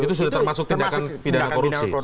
itu sudah termasuk tindakan pidana korupsi